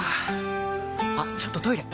あっちょっとトイレ！